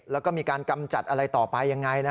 แล้วก็มีการกำจัดอะไรต่อไปยังไง